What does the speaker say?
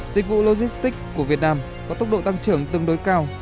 dịch vụ logistics của việt nam có tốc độ tăng trưởng tương đối cao